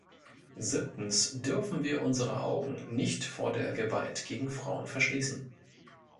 Siebtens dürfen wir unsere Augen nicht vor der Gewalt gegen Frauen verschließen.